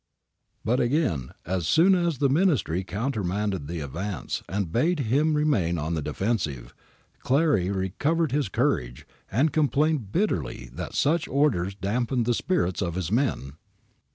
But again, as soon as the Ministry countermanded the advance and ^2 GARIBALDI AND THE MAKING OF ITALY bade him remain on the defensive, Clary recovered his courage and complained bitterly that such orders damped the spirits of his men.